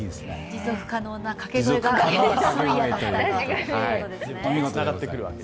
持続可能な掛け声がソイヤということですね。